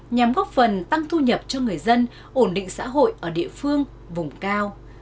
nhằm góp phần tăng thu nhập cho người dân ổn định xã hội ở địa phương vùng cao